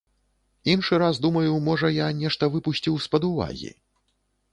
Іншы раз думаю, можа, я нешта выпусціў з-пад увагі.